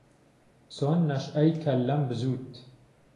چۆن نهشئهی کهللەم بزووت